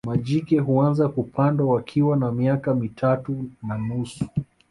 Majike huanza kupandwa wakiwa na miaka mitatu na nusu